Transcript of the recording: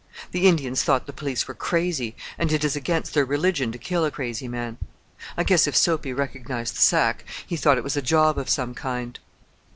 The Indians thought the police were crazy, and it is against their religion to kill a crazy man. I guess if Soapy recognized the sack he thought it was a job of some kind."